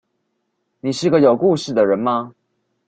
你是個有故事的人嗎